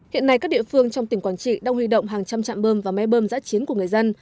hiện nay các địa phương trong tỉnh quảng trị đang huy động hàng trăm trạm bơm và máy bơm giã chiến của người dân